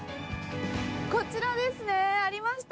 こちらですね、ありました。